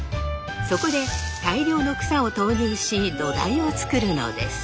そこで大量の草を投入し土台をつくるのです。